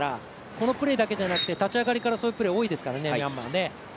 このプレーだけじゃなくて立ち上がりからそういうプレー多いですからね、ミャンマーはね。